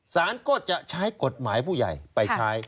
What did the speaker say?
สารก็จะใช้กฎหมายผู้ใหญ่ไปใช้